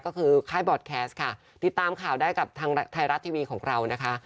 ก็คือค่ายบอร์ดแคสต์ค่ะติดตามข่าวได้กับทางไทยรัฐทีวีของเรานะคะ